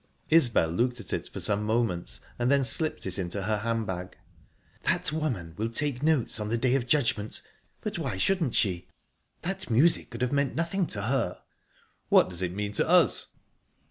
Isbel looked at it for some moments, and then slipped it in her hand bag. "That woman will take notes on the Day of Judgement. But why shouldn't she? That music could have meant nothing to her." "What does it mean to us?"